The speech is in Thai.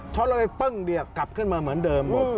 ช็อตแล้วไปปึ้งเดียวกลับขึ้นมาเหมือนเดิม